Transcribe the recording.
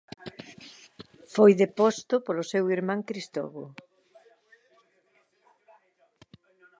Foi deposto polo seu irmán Cristovo.